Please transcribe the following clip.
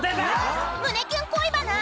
［胸キュン恋バナ⁉］